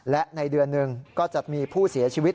และในเดือนหนึ่งก็จะมีผู้เสียชีวิต